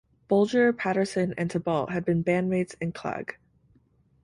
Bolger, Patterson and Thibault had been band mates in Clag.